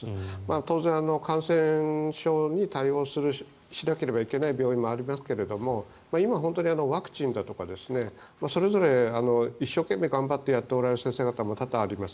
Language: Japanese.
当然、感染症に対応しなければいけない病院もありますが今、本当にワクチンだとかそれぞれ一生懸命やっておられる先生方も多々あります。